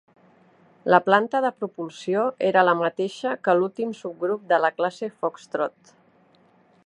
La planta de propulsió era la mateixa que l'últim subgrup de la classe Foxtrot.